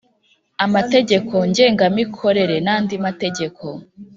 amategeko ngengamikorere n’andi mategeko